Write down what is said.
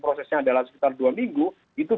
prosesnya adalah sekitar dua minggu itu